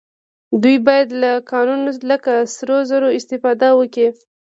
دوی باید له کانونو لکه سرو زرو استفاده وکړي